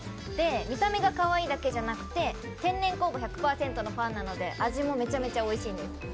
見た目がかわいいだけじゃなくて、天然酵母１００％のパンなので味もめちゃめちゃおいしいんです。